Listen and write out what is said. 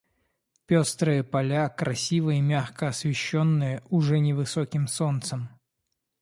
Пёстрые поля, красиво и мягко освещенные уже невысоким солнцем.